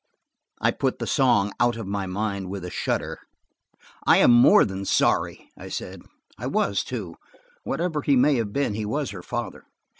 I put the song out of my mind with a shudder. "I am more than sorry," I said. I was, too; whatever he may have been, he was her father.